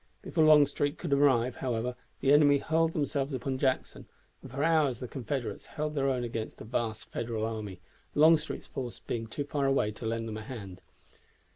Before Longstreet could arrive, however, the enemy hurled themselves upon Jackson, and for hours the Confederates held their own against the vast Federal army, Longstreet's force being too far away to lend them a hand.